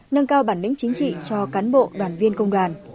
nâng cao bản lĩnh chính trị cho cán bộ đoàn viên công đoàn